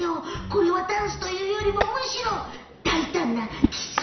これはダンスというよりもむしろだいたんなキス。